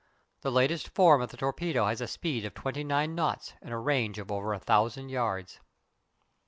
The latest form of the torpedo has a speed of twenty nine knots and a range of over a thousand yards.